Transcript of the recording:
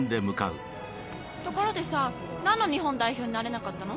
ところでさ何の日本代表になれなかったの？